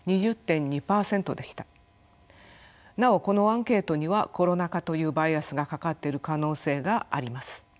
なおこのアンケートにはコロナ禍というバイアスがかかっている可能性があります。